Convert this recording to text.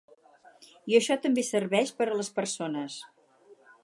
I això també serveix per a les persones.